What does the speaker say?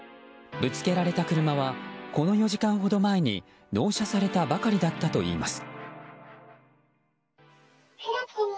ぶつけられた車はこの４時間ほど前に納車されたばかりだったといいます。